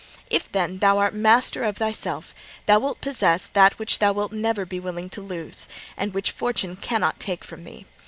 If, then, thou art master of thyself, thou wilt possess that which thou wilt never be willing to lose, and which Fortune cannot take from thee.